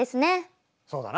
そうだな。